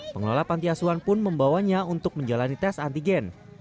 pengelola panti asuhan pun membawanya untuk menjalani tes antigen